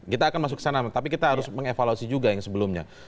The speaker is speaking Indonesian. kita akan masuk ke sana tapi kita harus mengevaluasi juga yang sebelumnya